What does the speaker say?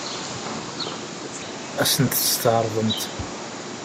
Ad sent-tt-tɛeṛḍemt?